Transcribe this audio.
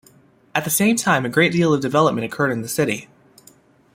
At the same time a great deal of development occurred in the city.